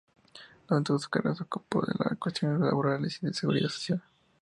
Durante toda su carrera se ocupó de las cuestiones laborales y de seguridad social.